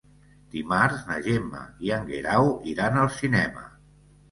Dimarts na Gemma i en Guerau iran al cinema.